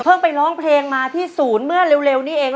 ไปร้องเพลงมาที่ศูนย์เมื่อเร็วนี้เอง